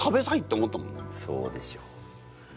そうでしょ。